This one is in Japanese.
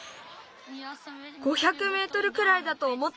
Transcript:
５００メートルくらいだとおもってました。